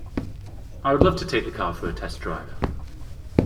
I would love to take the car for a test drive.